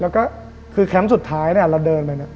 แล้วก็คือแคมป์สุดท้ายเราเดินไป